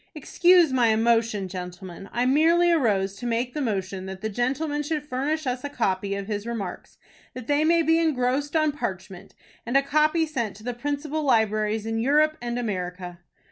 "Excuse my emotion, gentlemen. I merely arose to make the motion that the gentleman should furnish us a copy of his remarks, that they may be engrossed on parchment, and a copy sent to the principal libraries in Europe and America."